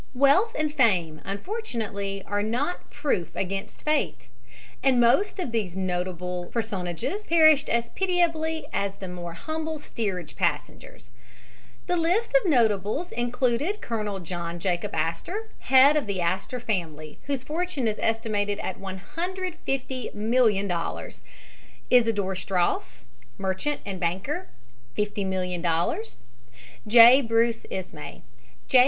Wealth and fame, unfortunately, are not proof against fate, and most of these notable personages perished as pitiably as the more humble steerage passengers. The list of notables included Colonel John Jacob Astor, head of the Astor family, whose fortune is estimated at $150,000,000; Isidor Straus, merchant and banker ($50,000,000); J.